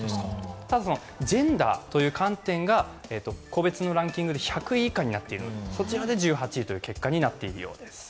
ただ、ジェンダーという観点が個別のランキングで１００位以下になっているのでそちらで１８位という結果になっているようです。